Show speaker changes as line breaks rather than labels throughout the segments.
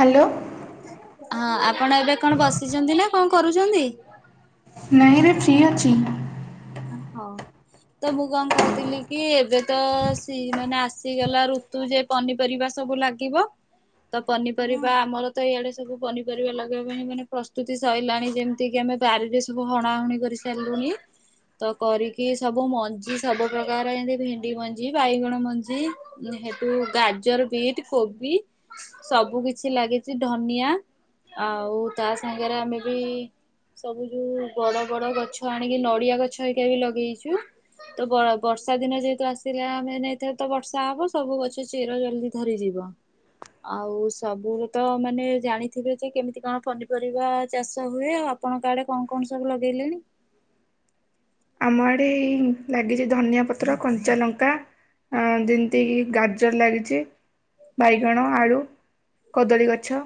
Hello.
ହଁ ଆପଣ ଏବେ କଣ ବସିଛନ୍ତି ନା କଣ କରୁଛନ୍ତି?
ନାଇଁରେ ଫ୍ରି ଅଛି।
ହଁ ତ ମୁଁ କଣ କହୁଥିଲି କି ଏବେ ତ ସି ମାନେ ଆସିଗଲା ରୁ ତୁ ଯେ ପନିପରିବା ସବୁ ଲାଗିବ। ତ ପନିପରିବା ଆମର ତ ଏଇଆଡେ ସବୁ ପନିପରିବା ଲଗେଇବା ପାଇଁ ମାନେ ପ୍ରସ୍ତୁତି ସରିଲାଣି ଯେମତି ଏତିକି ଆମେ ବାରିରେ ସବୁ ହଣାହଣି କରିସାରିଲୁଣି। ତ କରିକି ସବୁ ମଞ୍ଜି ସବୁ ପ୍ରକାର ଏମତି ଭେଣ୍ଡି ମଞ୍ଜି, ବାଇଗଣ ମଞ୍ଜି ସେତୁ ଗାଜର, ବିଟ୍, କୋବି ସବୁ କିଛି ଲାଗିଛି ଧନିଆ ଆଉ ତା ସାଙ୍ଗରେ ଆମେ ବି ସବୁ ଯୋଉ ବଡ ବଡ ଗଛ ଆଣିକି ନଡିଆ ଗଛ ହେଇକା ବି ଲଗେଇଛୁ। ତ ବ ବର୍ଷା ଦିନ ଯେହେତୁ ଆସିଲା ମେନ୍ ଏଇଥରକ ତ ବର୍ଷା ହବ, ସବୁ ଗଛ ଚେର ଜଲ୍ଦି ଧରି ଯିବ। ଆଉ ସବୁରେ ତ ମାନେ ଜାଣିଥିବେ ଯେ କେମିତି କଣ ପନିପରିବା ଚାଷ ହୁଏ ଆଉ। ଆପଣଙ୍କ ଆଡେ କଣ କଣ ସବୁ ଲଗେଇଲେଣି?
ଆମ ଆଡ଼େ ଲାଗିଛି ଧନିଆ ପତ୍ର କଞ୍ଚା ଲଙ୍କା। ଆଉ ଯେମିତିକି ଗାଜର ଲାଗିଛି। ବାଇଗଣ ଆଳୁ କଦଳୀ ଗଛ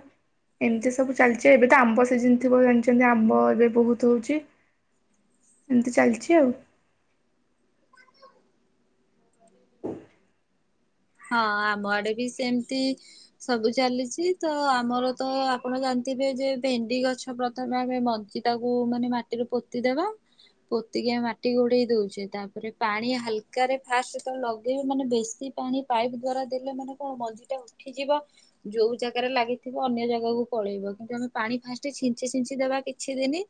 ଏମିତି ସବୁ ଚାଲିଛି ଏବେ ତ ଆମ୍ବ ସିଜିନ୍। ଥିବ ଜାଣିଛନ୍ତି ଆମ୍ବ ଏବେ ବହୁତ ହଉଛି ଏମିତି ଚାଲିଛି ଆଉ। ହଁ [unintelligible]
ହଁ ଆମ ଆଡେ ବି ସେମତି। ସବୁ ଚାଲିଛି ତ ଆମର ତ ଆପଣ ଜାଣିଥିବେ ଯେ ଭେଣ୍ଡି ଗଛ ପ୍ରଥମେ ଆମେ ମଞ୍ଜି। ତାକୁ ମାନେ ମାଟିରେ ପୋତିଦେବା। ପୋତିକି ଆମେ ମାଟି ଗୋଡେଇ ଦଉଛେ ତାପରେ ପାଣି ହାଲକରେ ଫାଷ୍ଟ ଯେତେ ବେଳେ ଲଗେଇବ ମାନେ ବେଶୀ ପାଣି। ପାଇପ୍ ଦ୍ଵାରା ଦେଲେ ମାନେ କଣ ମଞ୍ଜି ଟା ଉଠିଯିବ। ଯୋଉ ଜାଗାରେ ଲାଗିଥିବ ଅନ୍ୟ ଜାଗାକୁ ପଳେଇବ କିନ୍ତୁ ଆମେ ପାଣି ଫାଷ୍ଟ ଛିଞ୍ଚି ଛିଞ୍ଚି ଦେବା କିଛି ଦିନି।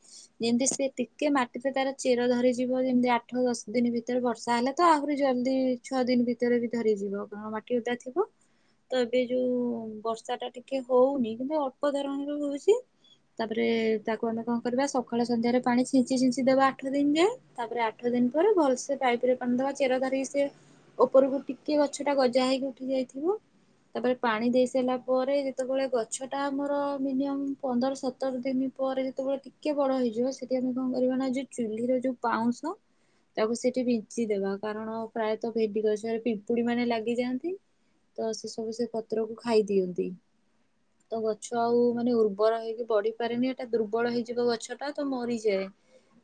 ଯେମିତି ସେ ଟିକେ ମାଟିରେ ତାର ଚେର ଧରିଯିବ ଯେମିତି ଆଠ ଦଶ ଦିନ ଭିତରେ ବର୍ଷା ହେଲା। ତ ଆହୁରି ଜଲ୍ଦି ଛଅ ଦିନ ଭିତରେ ବି ଧରିଯିବ କାରଣ ମାଟି ଓଦା ଥିବ। ତ ଏବେ ଯୋଉ ବର୍ଷା ଟା ଟିକେ ହଉନି କିନ୍ତୁ ଅଳ୍ପ ଧରଣ ର ହଉଛି। ତାପରେ ତାକୁ ଆମେ କଁ କରିବା ସକାଳେ ସନ୍ଧ୍ୟାରେ ପାଣି ଛିଞ୍ଚି ଛିଞ୍ଚି ଦେବା ଆଠ ଦିନ ଯାଏଁ ତାପରେ ଆଠ। ଆଠ ଦିନ ପରେ ଭଲସେ ପାଇପ ରେ ପାଣିଦବା ଚେର ଧରିକି ସେ ଉପରକୁ ଟିକେ ଗ ଗଛ ଟା ଗଜା ହେଇକି ଉଠି ଯାଇଥିବ। ତାପରେ ପାଣି ଦେଇ ସାଇଲା ପରେ ଯେତେବେଳେ ଗଛ ଟା ଆମର ମିନିମମ୍ ପନ୍ଦର ସତର ଦିନି। ପରେ ଯେତେବେଳେ ଟିକେ ବଡ ହେଇଯିବ ସେଠି ଆମେ କଁ କରିବା ନା ଯୋଉ ଚୁଲିରେ ଯୋଉ ପାଉଁଶ ତାକୁ ସେଠି ବିଞ୍ଚିଦେବା କାରଣ ପ୍ରାୟତଃ ଭେଣ୍ଡି ଗଛରେ ପିମ ପୁଡି ମାନେ ଲାଗିଯାଆନ୍ତି ତ ସେ ସବୁ ସେ ପତ୍ରକୁ ଖାଇ ଦିଅନ୍ତି। ତ ଗଛ ଆଉ ମାନେ ଉର୍ବର ହେଇକି ବଢି ପାରେନି ଏଇଟା ଦୁର୍ବଳ ହେଇଯିବ ଗଛ ଟା ତ ମରିଯାଏ।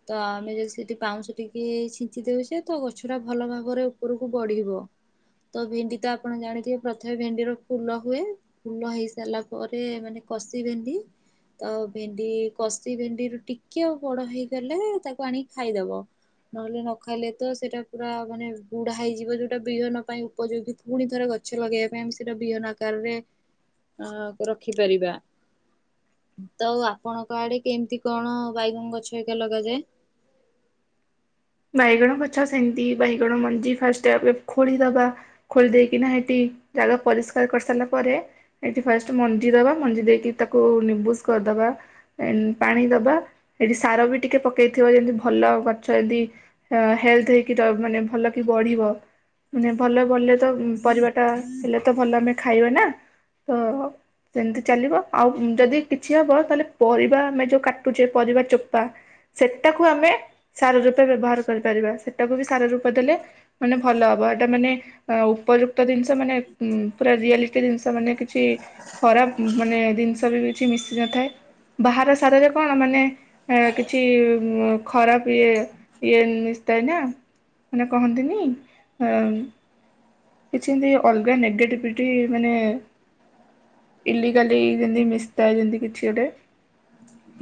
ତ ଆମେ ଯଦି ସେଠି ପାଉଁଶ ଟିକେ ଛିଞ୍ଚି ଦେଉଛେ ତ ଗଛ ଟା ଭଲ ଭାବରେ ଉପରକୁ ବଢିବ। ତ ଭେଣ୍ଡି ତ ଆପଣ ଜାଣିଥିବେ ପ୍ରଥମେ ଭେଣ୍ଡିର ଫୁଲ ହୁଏ। ଫୁଲ ହେଇ ସାରିଲା ପରେ ମାନେ କଷି ଭେଣ୍ଡି। ତ ଭେଣ୍ଡି କଷି ଭେଣ୍ଡିରୁ ଟିକେ ଆଉ ବଡ ହେଇଗଲେ ତାକୁ ଆଣିକି ଖାଇଦବ। ନହେଲେ ନ ଖାଇଲେ ତ ସେଇଟା ପୁରା ମାନେ ବୁଢ ହେଇଯିବ ଯୋଉଟା। ବିହନ ପାଇଁ ଉପଯୋଗୀ ପୁଣି ଥରେ ଗଛ ଲଗେଇବା ପାଇଁ ଆମ ସେଇଟା ବିହନ ଆକାରରେ। ଆକୁ ରଖିପାରିବା। ତ ଆଉ ଆପଣଙ୍କ ଆଡେ କେମିତି କଣ ବାଇଗଣ ଗଛ ଏକା ଲଗାଯାଏ?
ବାଇଗଣ ଗଛ ସେମତି ବାଇଗଣ ମଞ୍ଜି ଫାଷ୍ଟ ଆପ୍ ଖୋଳିଦବା। ଖୋଳି‌ ଦେଇକିନା ହେଟି ଜାଗା ପରିଷ୍କାର କରି ସାରିଲା ପରେ। ଏଠି ଫାଷ୍ଟ ମଞ୍ଜି ଦବା ମଞ୍ଜି ଦେଇକି ତାକୁ ନିବୁଜ କରିଦବା‌। ଆଣ୍ଡ ପାଣି ଦବା ଏଠି ସାର ବି ଟିକେ ପକେଇଥିବ ଯେମିତି ଭଲ ଗଛ ଯଦି। ହେ ହେଲ୍ଥ ହେଇକି ରହି ମାନେ ଭଲ କି ବଢିବ‌। ମାନେ ଭଲ ବଢିଲେ ତ ପରିବାଟା ହେଲେ ତ ଭଲ ଆମେ ଖାଇବା ନା ତ ସେମିତି ଚାଲିବ ଆଉ ଯଦି କିଛି ହବ ତାହେଲେ ପରିବା ଆମେ ଯୋଉ କାଟୁଛେ ପରିବା ଚୋପା। ସେଟାକୁ ଆମେ ସାର‌ ରୂପେ ବ୍ୟବହାର କରିପାରିବା ସେଟାକୁ ବି ସାର ରୂପେ ଦେଲେ। ମାନେ ଭଲ ହବ ଏଟା ମାନେ। ଆଁ ଉପଯୁକ୍ତ ଜିନିଷ ମାନେ ପୁରା ରିଆଲିଟି ଜିନିଷ ମାନେ କିଛି। ଖରାପ ମାନେ ଦିନିଷ ବି କିଛି ମିଶି ନଥାଏ। ବାହାର ସାରରେ କଣ ମାନେ ଏ କିଛି ଖରାପ ଇଏ ଇଏ ମିଶିଥାଏ ନା, ମାନେ କହନ୍ତିନି କିଛି ଯେମିତି ଅଲଗା ନେଗେଟିଭିଟି ମାନେ ଇଲିଗାଲି ଯେମିତି ମିଶିଥାଏ ଯେମତି କିଛି ଗୋଟେ।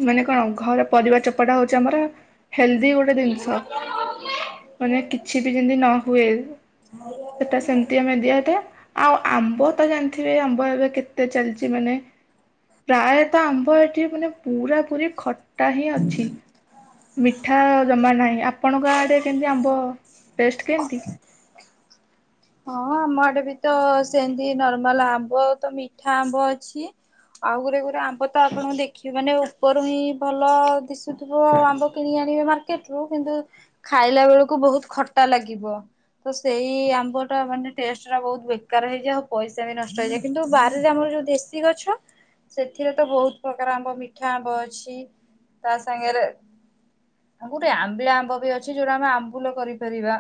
ମାନେ କଣ ଘର ପରିବା ଚୋପାଟା ହଉଛି ଆମର ହେଲ୍ଦି ଗୋଟେ ଜିନିଷ। ମାନେ କିଛି ବି ଯେମିତି ନ ହୁଏ। ସେଟା ସେମିତି ଆମେ ଦିଅଟା। ଆଉ ଆମ୍ବ ତ ଜାଣିଥିବେ, ଆମ୍ବ ଏବେ କେତେ ଚାଲିଛି ମାନେ ପ୍ରାୟତଃ ଆମ୍ବ ଏଠି ମାନେ ପୁରା ପୁରି ଖଟା ହିଁ ଅଛି। ମିଠା ଆ ଜମା ନାହିଁ। ଆପଣଙ୍କ ଆଡ଼େ କେମିତି ଆମ୍ବ ଟେଷ୍ଟ କେମିତି?
ହଁ, ଆମ ଆଡେ ବି ତ ସେମିତି ନର୍ମାଲ ଆମ୍ବ ତ ମିଠା ଆମ୍ବ ଅଛି। ଆଉ ଗୁରେ ଗୁରେ ଆମ୍ବ ତ ଆପଣଙ୍କୁ ଦେଖିବେ ମାନେ ଉପରୁ ହିଁ ଭଲ ଦିଶୁ ଥିବ ଆମ୍ବ କିଣିି ଆଣିବେ ମାର୍କେଟରୁ। କିନ୍ତୁ ଖାଇଲା ବେଳକୁ ବହୁତ୍ ଖଟା ଲାଗିବ। ତ ସେଇ ଆମ୍ବ ର ମାନେ ଟେଷ୍ଟ ନା ବହୁତ୍ ବେକାର ହେଇଯାଏ ଆଉ ପଇସା ବି ନଷ୍ଟ ହେଇଯାଏ। କିନ୍ତୁ ବାରିରେ ଆମର ଯୋଉ ଦେଶୀ ଗଛ ସେଥିରେ ତ ବହୁତ ପ୍ରକାର ଆମ୍ବ। ମିଠା ଆମ୍ବ ଅଛି ତା ସାଙ୍ଗରେ ଆଉ ଗୋଟେ ଆମ୍ବିଳା ଆମ୍ବ ବି ଅଛି ଯୋଉଟା ଆମେ ଆମ୍ବୁଲ କରିପାରିବା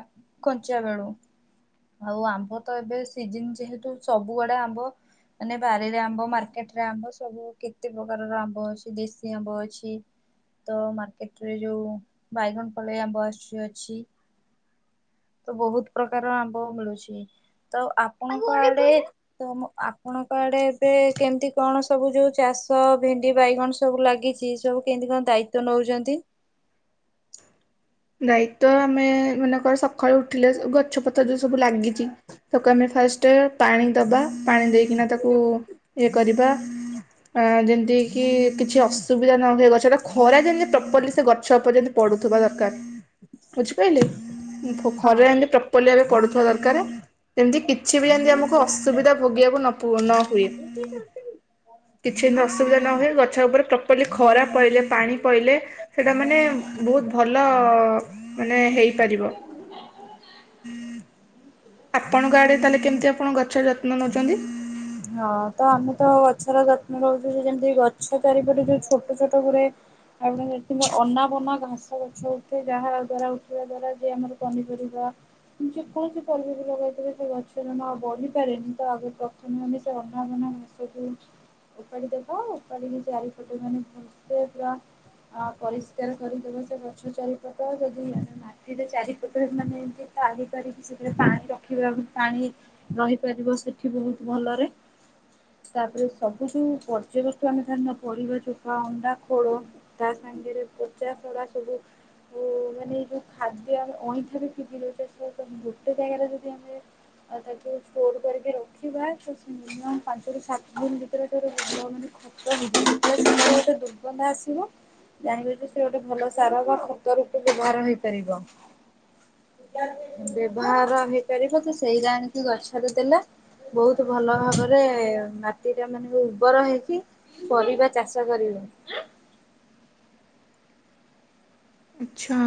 କଞ୍ଚା ବେଳୁ। ଆଉ ଆମ୍ବ ତ ଏବେ ସିଜିନ୍ ଯେହେତୁ ସବୁ ଆଡ଼େ ଆମ୍ବ ମାନେ ବାରିରେ ଆମ୍ବ, ମାର୍କେଟ ରେ ଆମ୍ବ ସବୁ କେତେ ପ୍ରକାରର ଆମ୍ବ ଅଛି। ଦେଶୀ ଆମ୍ବ ଅଛି। ତ ମାର୍କେଟ ରେ ଯୋଉ ବାଇଗଣ ପଲେଇ ଆମ୍ବ ଆସୁଛି ଅଛି। ତ ବହୁତ ପ୍ରକାର ଆମ୍ବ ମିଳୁଛି। ତ ଆପଣଙ୍କ ଆଡେ ତ ଆପଣଙ୍କ ଆଡ଼େ ଏବେ କେମତି କଣ ସବୁ ଯୋଉ ଚାଷ ଭେଣ୍ଡି ବାଇଗଣ ସବୁ ଲାଗିଛି? ସବୁ କେମିତି କଣ ଦାୟିତ୍ବ ନଉଛନ୍ତି?
ଦାୟିତ୍ବ ଆମେ ମନେକର ସକାଳୁ ଉଠିଲେ ଗଛପତ୍ର ଯୋଉ ସବୁ ଲାଗିଛି ତାକୁ ଆମେ ଫାଷ୍ଟ ପାଣି ଦବା, ପାଣି ଦେଇକିନା ତାକୁ ଇଏ କରିବା। ଅ ଯେମିତି କିି କିଛି ଅସୁବିଧା ନ ହୁଏ ଗଛର। ଖରା ଯେମିତି ପ୍ରପରଲି ସେ ଗଛ ଉପରେ ଯେମତି ପଡ଼ୁଥିବା ଦରକାର। ବୁଝିପାଇଲେ? ଖରା
ହଁ।
ଯେମିତି ପ୍ରପରଲି ପଡୁଥିବା ଦରକାର। ଯେମିତି କିଛି ବି ଯେମିତି ଆମକୁ ଅସୁବିଧା ଭୋଗିବାକୁ ନ ହୁଏ। କିଛି ଯେମିତି ଅସୁବିଧା ନ ହୁଏ। ଗଛ ଉପରେ ପ୍ର ପରଲି ଖରା ପଇଲେ, ପାଣି ପଇଲେ ସେଇଟା ମାନେ ବହୁତ ଭଲ ମାନେ ହେଇପାରିବ। ଆପଣଙ୍କ ଆଡ଼େ ତାହେଲେ କେମିତି ଆପଣ ଗଛର ଯତ୍ନ ନେଉଛନ୍ତି?
ହଁ, ତ ଆମେ ତ ଗଛର ଯତ୍ନ ରହୁଛୁ ଯେ ଯେମିତି ଗଛ ଚାରିପଟରେ ଯୋଉ ଛୋଟ ଛୋଟ ଗୁରେ [unintelligible] ଅନାବନା ଘାସ ଗଛ ଉଠେ ଯାହା ଦ୍ଵାରା ଉଠିବା ଦ୍ଵାରା ଯେ ଆମର ପନିପରିବା ଯେକୌଣସି ପରିବା ବି ଲଗାଇ ଥିବେ ସେ ଗଛ ଜମା ବଢ଼ି ପାରେନି। ତ ଆଗେ ପ୍ରଥମେ ଅନାବନା ଘାସ ଯୋଉଠ ଉପାଡି ଦେବା, ଉପାଡିିକି ଚାରିପଟେ ମାନେ ଭଲସେ ପୁରା ଅ ପରିଷ୍କାର କରିଦବ ସେ ଗଛ ଚାରିପଟ। ଯଦି ଚାରିପଟରେ ମାନେ ଏମତି ତାଲି କରିକି ସେଥିରେ ପାଣି ରଖିବ ପାଣି। ରହିପାରିବ ସେଠି ବହୁତ ଭଲରେ ତାପରେ ସବୁ ଯୋଉ ବର୍ଯ୍ୟବସ୍ତୁ ଆମେ ଧରିିନିଅ ପରିବା ଚୋପା, ଅଣ୍ଡା ଖୋଳ। ତା ସାଙ୍ଗରେ ପଚା ସଢା ସବୁ ମାନେ ଏଇ ଯୋଉ ଖାଦ୍ୟ ଆମେ ଅଇଁଠା ବି ଫିଙ୍ଗି ଦଉଛେ ସେରା ସବୁ ଗୋଟେ ଜାଗାରେ ଯଦି ଆମେ [unintelligible] [unintelligible] [unintelligible] ଦୁର୍ଗନ୍ଧା ଆସିବ ଜାଣିବ ଯେ ସେ ଗୋଟେ ଭଲ ସାର ବା କୁଦ ରୂପ ବ୍ୟବହାର ହେଇପାରିବ ବ୍ୟବହାର ହେଇପାରିବ ତ ସେଇ ଜା ଆଣିକି ଗଛରେ ଦେଲେ। ବହୁତ ଭଲ ଭାବରେ ମାଟି ଟା ମାନେ ଉର୍ବର ହେଇକି। ପରିବା ଚାଷ କରିବୁ।
ଆଚ୍ଛା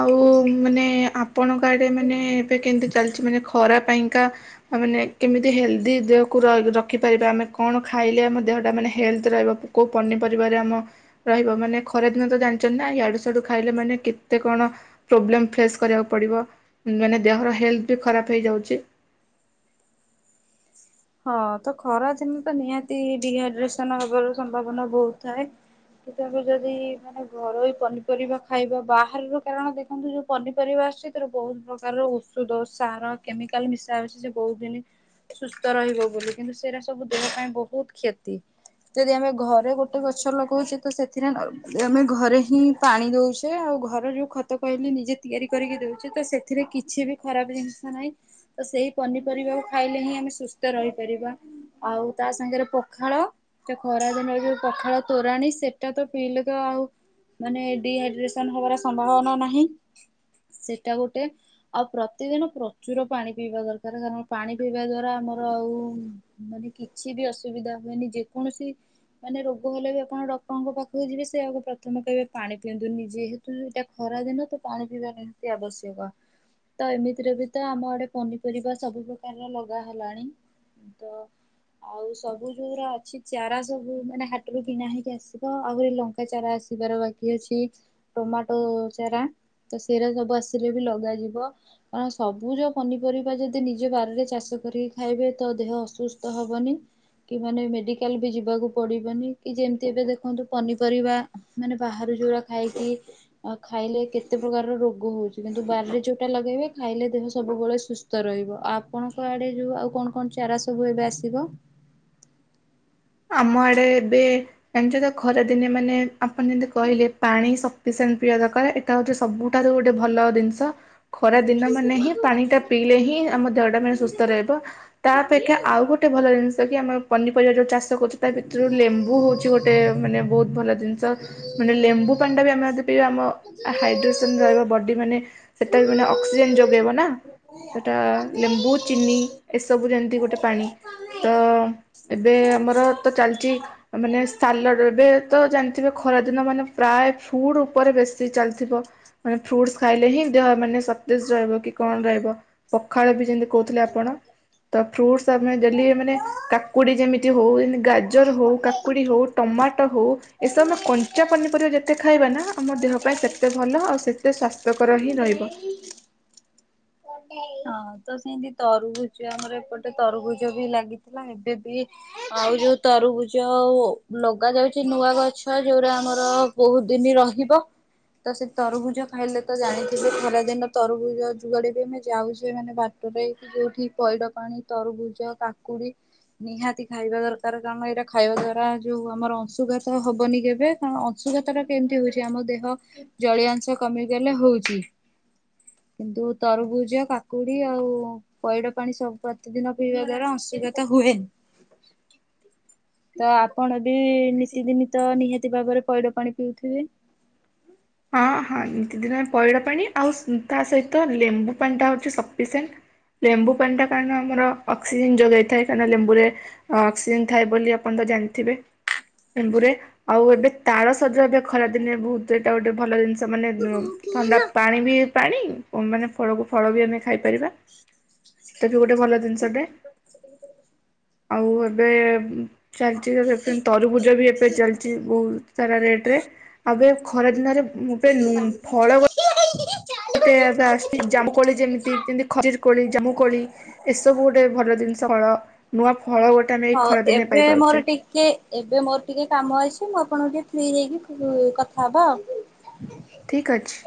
ଆଉ ମାନେ ଆପ ଆପଣଙ୍କ ଆଡେ ମାନେ ଏବେ କେମିତି ଚାଲିଛି ମାନେ ଖରା ପାଇଁକା ଆ ମାନେ କେମିତି ହେଲ୍ଦି ଦେହକୁ ର ରଖିପାରିବା ଆମେ କଣ ଖାଇଲେ ଆମ ଦେହଟା ମାନେ ହେଲ୍ଥ ରହିବ। କୋଉ ପନିପରିବାରେ ଆମ ରହିବ ମାନେ ଖରାଦିନ ତ ଜାଣିଛ ନା ଇଆଡୁ ହେଟୁ ଖାଇଲେ ମାନେ କେତେ କଣ ପ୍ରୋବ୍ଲେମ ଫେସ୍ କରିବାକୁ ପଡିବ। ମାନେ ଦେହର ହେଲ୍ଥ ବି ଖରାପ ହେଇଯାଉଛି।
ହଁ ତ ଖରା ଦିନ ତ ନିହାତି ଡିହାଇଡ୍ରେସନ ହବାର ସମ୍ଭାବନା ବହୁତ ଥାଏ। କି ତମେ ଯଦି ମାନେ ଘରୋଇ ପନିପରିବା ଖାଇବ ବାହାରର କାରଣ ଦେଖନ୍ତୁ ଯୋଉ ପନିପରିବା ଆସୁଛି ଏଥିରେ ବହୁତ ପ୍ରକାରର ଔଷଧ ସାର କେମିକାଲ ମିଶା ଯାଉଛି ସେ ବହୁତ ଦିନ ସୁସ୍ଥ ରହିବ ବୋଲି କିନ୍ତୁ ସେଇରା ସବୁ ଦେହ ପାଇଁ ବହୁତ କ୍ଷତି। ଯଦି ଆମେ ଘରେ ଗୋଟେ ଗଛ ଲଗାଉଛେ ତ ସେଥିରେ ଆମେ ଘରେ ହିଁ ପାଣି ଦେଉଛେ ଆଉ ଘର ଯେଉଁ ଖତ କହିଲେ ନିଜେ ତିଆରି କରିକି ଦେଉଛେ ତ ସେଥିରେ କିଛି ବି ଖରାପ ଜିନିଷ ନାହିଁ ତ ସେଇ ପନିପରିବାକୁ ଖାଇଲେ ହିଁ ଆମେ ସୁସ୍ଥ ରହିପାରିବା। ଆଉ ତା ସାଙ୍ଗରେ ପଖାଳ ସେ ଖରା ଦିନରେ ଯୋଉ ପଖାଳ ତୋରାଣି ସେଟା ତ ପିଇଲେ କେ ଆଉ ମାନେ ଡିହାଇଡ୍ରେସନ ହବାର ସମ୍ଭାବନା ନାହିଁ ସେଟା ଗୋଟେ। ଆଉ ପ୍ରତିଦିନ ପ୍ରଚୁର ପାଣି ପିଇବା ଦରକାର କାରଣ ପାଣି ପିଇବା ଦ୍ଵାରା ଆମ ଆଉ ମାନେ କିଛି ବି ଅସୁବିଧା ହୁଏନି ଯେକୌଣସି ମାନେ ରୋଗ ହେଲେ ବି ଆପଣ ଡକ୍ଟରଙ୍କ ପାଖକୁ ଯିବେ ସେ ଆଗ ପ୍ରଥମେ କହିବେ ପାଣି ପିଅନ୍ତୁ ନିଜେ। ତ ଏଇଟା ଖରା ଦିନ ତ ପାଣି ପିଇବା ନିମତି ଆବଶ୍ୟକ। ତ ଏମିତିରେ ବି ତ ଆମ ଆଡେ ପନିପରିବା ସବୁ ପ୍ରକାରର ଲଗା ହେଲାଣି। ତ। ଆଉ ସବୁ ଯୋଉ ରା ଅଛି ଚାରା ସବୁ ମାନେ ହାଟରୁ କିଣା ହେଇକି ଆସିବ ଆହୁରି ଲ ଚାରା ଆସିବାର ବାକି ଅଛି ଟମାଟୋ ଚାରା ତ ସେଇରା ସବୁ ଆସିଲେ ବି ଲଗାଯିବ। କାରଣ ସବୁଜ ଯୋଉ ପନିପରିବା ଯଦି ନିଜ ବାରିରେ ଚାଷ କରି ଖାଇବେ ତ ଦେହ ଅସୁସ୍ଥ ହବନି। କି ମାନେ ମେଡ଼ିକାଲ ବି ଯିବାକୁ ପଡ଼ିବନି କି ଯେମିତି ଏବେ ଦେଖନ୍ତୁ ପନିପରିବା ମାନେ ବାହାରୁ ଯଉଡା ଖାଇକି ଆଉ ଖାଇଲେ କେତେ ପ୍ରକାରର ରୋଗ ହଉଛି କିନ୍ତୁ ବାରିରେ ଯୋଉଟା ଲଗେଇବେ ଖାଇଲେ ଦେହ ସବୁବେଳେ ସୁସ୍ଥ ସୁସ୍ଥ ରହିବ ଆଉ ଆପଣଙ୍କ ଆଡେ ଯୋଉ ଆଉ କଣ କଣ ଚାରା ସବୁ ଏବେ ଆସିବ।
ଆମ ଆଡ଼େ ଏବେ ଜଣିଚତ ଖରା ଦିନେ ମାନେ ଆପଣ ଯେମିତି କହିଲେ ପାଣି ସଫିଶେଣ୍ଟ ପିଇବା ଦରକାର। ଏଟା ହଉଛି ସବୁଠାରୁ ଗୋଟେ ଭଲ ଜିନିଷ ଖରା ଦିନ ମାନେ ହିଁ। ପାଣି ଟା ପିଇଲେ ହିଁ ଆମ ଦେହଟା ମାନେ ସୁସ୍ଥ ରହିବ। ତା ଅପେକ୍ଷା ଆଉ ଗୋଟେ ଭଲ ଜିନିଷ କି ଆମେ ପନିପରିବା ଯୋଉ ଚାଷ କରୁଛୁ ତା ଭିତରୁ ଲେମ୍ବୁ ବୁ ହଉଛି ଗୋଟେ ମାନେ ବହୁତ ଭଲ ଜିନିଷ। ମାନେ ଲେମ୍ବୁ ପାଣିଟା ବି ଆମେ ଯଦି ପିଇବା ଆମ ହାଇଡ୍ରେସନ ରହିବ ବଡ଼ି ମାନେ ସେଟା ବି ମାନେ ଅକ୍ସିଜେନ ଯୋଗେଇବ ନା। ସେଟା ଲେମ୍ବୁ ଚିନି ଏସବୁ ଯେମିତି ଗୋଟେ ପାଣି। ତ ଏବେ ଆମର ତ ଚାଲିଚି ମାନେ ସାଲଡ ଏବେ ତ ଜାଣିଥିବେ ଖରାଦିନ ମାନେ ପ୍ରାୟ ଫୁଡ ଉପରେ ବେଶୀ ଚାଲିଥିବ। ମାନେ ଫ୍ରୁଟସ ଖାଇଲେ ହିଁ ଦେହ ମାନେ ସତେଜ ରହିବ କି କଣ ରହିବ। ପଖାଳ ବି ଯେମିତି କହୁଥିଲେ ଆପଣ ତ ଫ୍ରୁଟସ ଆମେ ଡେଲି ମାନେ କାକୁଡି ଯେମିତି ହଉ ଗାଜର ହଉ, କାକୁଡ଼ି ହଉ, ଟମାଟୋ ହେଉ ଏସବୁ ଆମେ କଞ୍ଚା ପନିପରିବା ଯେତେ ଖାଇବା ନା ଆମ ଦେହ ପାଇଁ ସେତେ ଭଲ ଆଉ ସେତ୍ ଏତେ ସ୍ୱାସ୍ଥ୍ୟକର ହିଁ ରହିବ।
ହଁ ତ ସେମତି ତରଭୁଜ ଆମର ଏପଟେ ତରଭୁଜ ବି ଲାଗିଥିଲା ଏବେ ବି ଆଉ ଯୋଉ ତରୁଭୁଜ ଲଗାଯାଉଛି ନୂଆ ଗଛ ଯୋଉଟା ଆମର ବହୁତ ଦିନ ରହିବ। ତ ସେ ତରଭୁଜ ଖାଇଲେ ତ ଜାଣିଥିବେ ଖରାଦିନ ତରଭୁଜ ଯୁଆଡିବି ମି ଯାଉଛେ ମାନେ ବାଟରେ ଯୋଉଠି ପଇଡ ପାଣି ତରଭୁଜ, କାକୁଡି ନିହାତି ଖାଇବା ଦରକାର କାରଣ ଏଇଟା ଖାଇବା ଦ୍ଵାରା ଯୋଉ ଆମର ଅଂଶୁଘାତ ହବନି କେବେ କାରଣ ଅଂଶୁଘାତଟା କେମିତି ହଉଛି ଆମ ଦେହ ଜଳୀୟଂଶ କମିଗଲେ ହଉଛି। କିନ୍ତୁ ତରଭୁଜ ଜ କାକୁଡି ଆଉ ପଇଡ଼ ପାଣି ସବୁ ପ୍ରତିଦିନ ପିଇବା ଦ୍ଵାରା ଅଂଶୁଘାତ ହୁଏନି। [inaudible] ତ ଆପଣ ବି ନିତିଦିନ ତ ନିହାତି ଭାବରେ ପଇଡ ପାଣି ପିଉଥିବେ।
ହଁ ହଁ ନିତି ଦିନ ପଇଡ଼ ପାଣି ଆଉ ସୁ ତା ସହିତ ଲେମ୍ବୁ ପାଣିଟା ହଉଛି ସଫିସିଏଣ୍ଟ। ଲେମ୍ବୁ ପାଣିଟା କାରଣ ଆମର ଅକ୍ସିଜେନ ଯୋଗାଇଥାଏ। କାରଣ ଲେମ୍ବୁରେ ଅକ୍ସିଜେନ ଥାଏ ବୋଲି ଆପଣ ତ ଜାଣିଥିବେ। ଲେମ୍ବୁରେ, ଆଉ ଏବେ ତାଳ ଶଜ ଏବେ ଖରାଦିନେ ବହୁତ ଏଇଟା ଗୋଟେ ଭଲ ଜିନିଷ। ତ ମାନେ ଉ ଥଣ୍ଡା ପାଣି ବି ପାଣି ଓ ମାନେ ଫଳକୁ ଫଳ ବି ଆମେ ଖାଇପାରିବା। ସେଟା ବି ଗୋଟେ ଭଲ ଜିନିଷଟେ, ଆଉ ଏବେ ଚାଲିଛି ତ ଦେଖୁଛନ୍ତି, ତରୁଭୁଜ ବି ଏବେ ଚାଲିଛି ବହୁତ ସାରା ରେଟ ରେ, ଏବେ ନାରେ ମୁଁ ପ୍ରାୟ ଫଳ ଗ
[unintelligible]
ଗୋଟେ ଏବେ ଆସିଛି, ଜାମୁ କୋଳି ଯେମିତି ଯେମତି ଖଜିର କୋଳି, ଜାମୁ କୋଳି ଏସବୁ ଗୋଟେ ଭଲ ଜିନିଷ ଫଳ। ନୂଆ ଫଳ ଗୋଟେ ଆମେ ଏଇ ଖରାଦିନେ ପାଇପାରୁଚେ।
ଟିକିଏ ଏବେ ମୋର ଟିକେ କାମ ଅଛି, ମୁଁ ଆପଣଙ୍କୁ ଟିକେ ଫ୍ରି ହେଇକି ଉଁ କଥାହବ ଆଉ।
ଠିକ୍ ଅଛି।